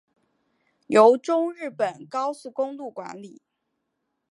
由中日本高速公路管理。